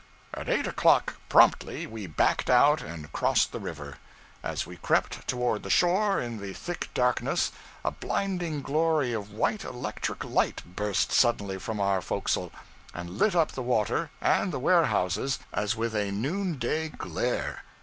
At eight o'clock, promptly, we backed out and crossed the river. As we crept toward the shore, in the thick darkness, a blinding glory of white electric light burst suddenly from our forecastle, and lit up the water and the warehouses as with a noon day glare.